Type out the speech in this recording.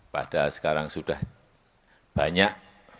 padahal sekarang sudah banyak